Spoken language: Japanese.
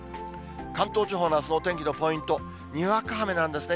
関東地方のあすのお天気のポイント、にわか雨なんですね。